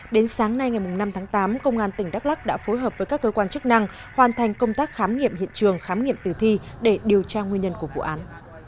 đến sáng nay ngày năm tháng tám công an tỉnh đắk lắc đã phối hợp với các cơ quan chức năng hoàn thành công tác khám nghiệm hiện trường khám nghiệm tử thi để điều tra nguyên nhân của vụ án